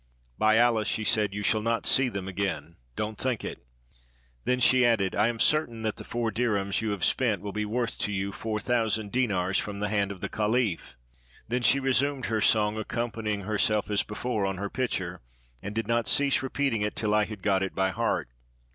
"By Allah," she said, "you shall not see them again; don't think it." Then she added :" I am certain that the four dirhems you have spent will be worth to you four thousand dinars from the hand of the cahph." Then she resumed her song, accompanying herself, as before, on her pitcher, and did not cease repeating it till I had got it by heart.